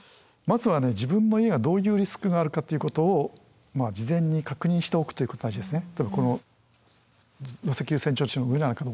まずはね自分の家がどういうリスクがあるかっていうことを事前に確認しておくということが大事ですね。